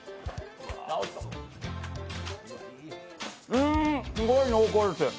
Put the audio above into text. うーん、すごい濃厚です。